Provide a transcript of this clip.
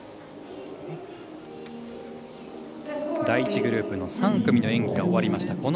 第１グループの３組の演技が終わりました。